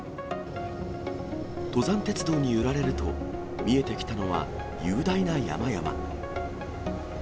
登山鉄道に揺られると、見えてきたのは雄大な山々。